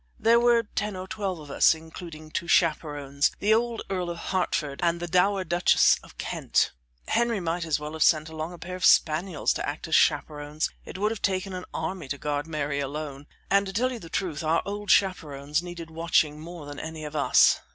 There were ten or twelve of us, including two chaperons, the old Earl of Hertford and the dowager Duchess of Kent. Henry might as well have sent along a pair of spaniels to act as chaperons it would have taken an army to guard Mary alone and to tell you the truth our old chaperons needed watching more than any of us.